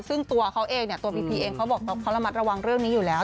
ซึ่งตัวเขาเองเนี่ยตัวพีพีเองเขาบอกเขาระมัดระวังเรื่องนี้อยู่แล้ว